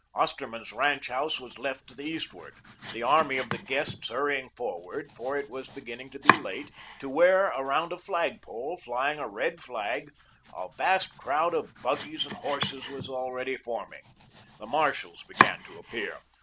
Osterman's Ranch house was left to the eastward; the army of the guests hurrying forward for it began to be late to where around a flag pole, flying a red flag, a vast crowd of buggies and horses was already forming. The marshals began to appear.